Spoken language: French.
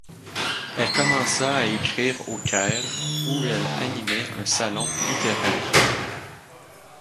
Elle commença à écrire au Caire, où elle animait un salon littéraire.